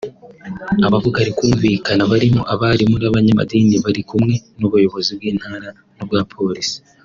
abavuga rikumvikana barimo abarimu n’abanyamadini bari kumwe n’ubuyobozi bw’Intara n’ubwa Polisi